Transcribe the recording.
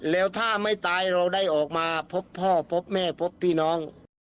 แล้วถ้าไม่ตายเราได้ออกมาพบพ่อพบแม่พบพี่น้อง